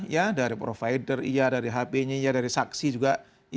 ya dari provider iya dari hp nya iya dari saksi juga